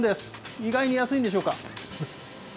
意外に安いんでしょうか。